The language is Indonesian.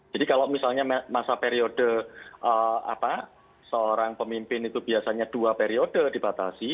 jadi kalau misalnya masa periode seorang pemimpin itu biasanya dua periode dibatasi